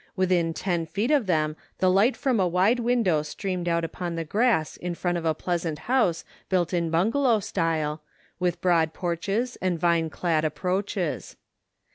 Within ten feet of them the light from a wide window streamed out upon the grass in front of a pleasant house built in bungalow style, with broad porches and vine clad approaches.